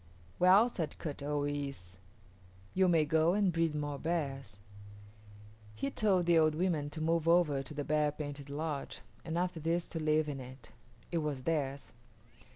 "Well," said Kut o yis´, "you may go and breed more bears." He told the old women to move over to the bear painted lodge and after this to live in it. It was theirs.